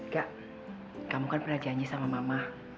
gak kamu kan pernah janji sama mama